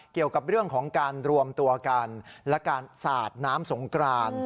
เกี่ยวกับเรื่องของการรวมตัวกันและการสาดน้ำสงกราน